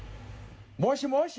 もしもし。